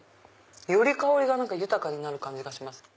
より香りが豊かになる感じがしますね。